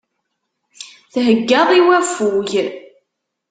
Theggaḍ i waffug.